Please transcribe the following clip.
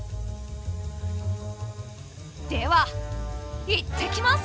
では行ってきます！